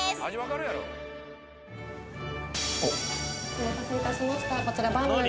お待たせいたしました。